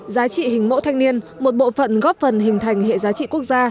giá trị hình mẫu thanh niên một bộ phận góp phần hình thành hệ giá trị quốc gia